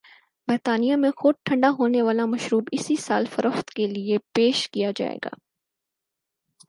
برطانیہ میں خود ٹھنڈا ہونے والا مشروب اسی سال فروخت کے لئے پیش کیاجائے گا۔